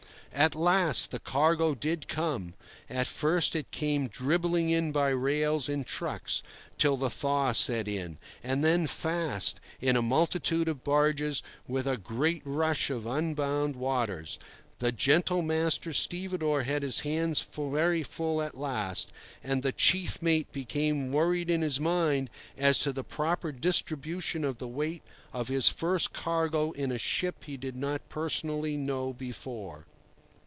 At last the cargo did come. At first it came dribbling in by rail in trucks, till the thaw set in; and then fast, in a multitude of barges, with a great rush of unbound waters. The gentle master stevedore had his hands very full at last; and the chief mate became worried in his mind as to the proper distribution of the weight of his first cargo in a ship he did not personally know before.